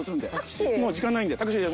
もう時間ないんで。